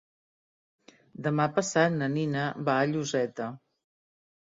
Demà passat na Nina va a Lloseta.